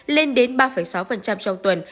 lên đến ba sáu trong tuần